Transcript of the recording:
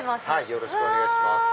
よろしくお願いします。